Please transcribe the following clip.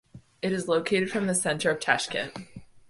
It is located from the center of Tashkent.